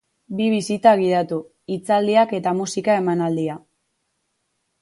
Bi bisita gidatu, hitzaldiak eta musika emanaldia.